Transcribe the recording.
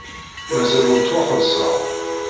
Mazal ur ttwaxelṣeɣ.